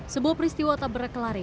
sebuah peristiwa tak berkelari